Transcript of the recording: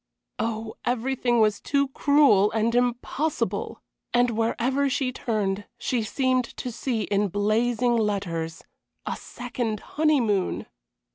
Oh, everything was too cruel and impossible! And wherever she turned she seemed to see in blazing letters, "A second honeymoon!"